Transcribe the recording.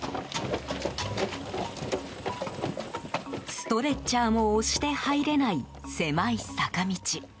ストレッチャーも押して入れない、狭い坂道。